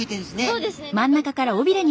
そうですね。